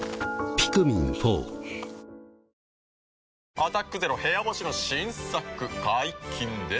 「アタックＺＥＲＯ部屋干し」の新作解禁です。